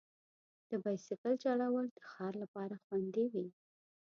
د بایسکل چلول د ښار لپاره خوندي وي.